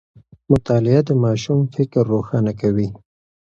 مطالعه د ماشوم فکر روښانه کوي.